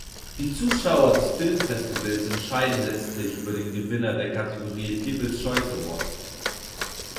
Die Zuschauer des Filmfestivals entscheiden letztlich über den Gewinner der Kategorie "People’s Choice Award".